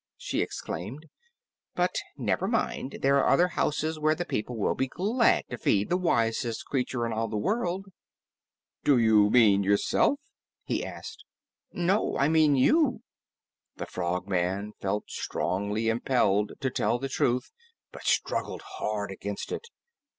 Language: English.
she exclaimed. "But never mind, there are other houses where the people will be glad to feed the Wisest Creature in all the World." "Do you mean yourself?" he asked. "No, I mean you." The Frogman felt strongly impelled to tell the truth, but struggled hard against it.